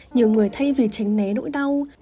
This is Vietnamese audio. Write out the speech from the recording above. nhiều người thay việc tránh né nỗi đau